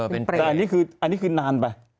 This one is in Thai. เป็นเปรตแต่อันนี้คือนานไป